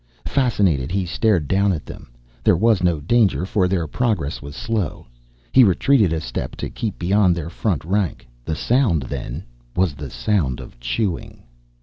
Fascinated, he stared down at them. There was no danger, for their progress was slow. He retreated a step to keep beyond their front rank. The sound, then, was the sound of chewing.